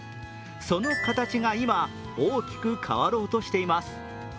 その形が今、大きく変わろうとしています。